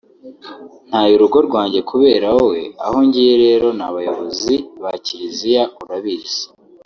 ntaye urugo rwanjye kubera wowe aho ngiye rero ni abayobozi ba Kiriziya urabizi